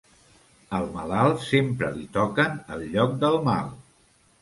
Al malalt, sempre li toquen el lloc del mal.